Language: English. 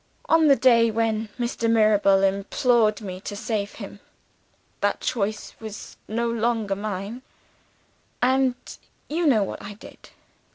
On the day when Mr. Mirabel implored me to save him, that choice was no longer mine and you know what I did.